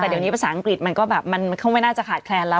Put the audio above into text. แต่เดี๋ยวนี้ภาษาอังกฤษมันก็แบบมันก็ไม่น่าจะขาดแคลนแล้ว